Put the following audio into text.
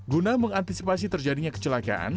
guna mengantisipasi terjadinya kecelakaan